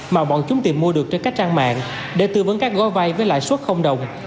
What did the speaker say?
mà bọn chúng tìm mua được trên các trang mạng để tư vấn các gói vay với lãi suất đồng